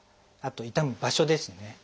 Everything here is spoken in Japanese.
あと痛む場所ですね。